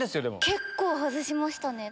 結構外しましたね。